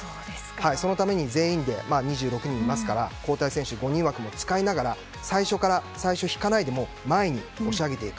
そのために２６人いますから交代選手５人枠も使いながら最初、引かないで前に押し上げていく。